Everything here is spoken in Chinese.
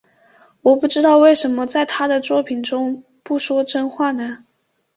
我不知道为什么在他作品中不说真话呢？